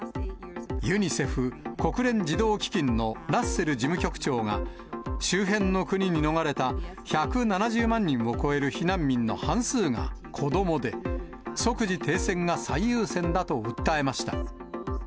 ユニセフ・国連児童基金のラッセル事務局長が、周辺の国に逃れた１７０万人を超える避難民の半数が子どもで、即時停戦が最優先だと訴えました。